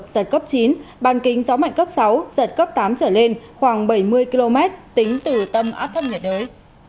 giật cấp chín ban kính gió mạnh cấp sáu giật cấp tám trở lên khoảng bảy mươi km tính từ tâm áp thấp nhiệt đới